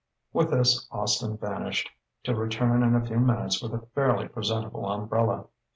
With this Austin vanished, to return in a few minutes with a fairly presentable umbrella.